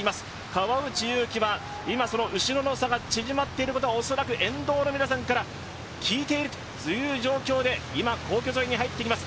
川内優輝は今後ろの差が縮まっていることは恐らく沿道の皆さんから聞いているという状況で今皇居沿いに入っていきます。